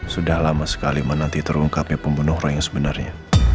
sudah lama sekali menanti terungkapnya pembunuh orang yang sebenarnya